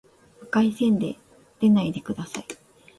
赤い線でないでください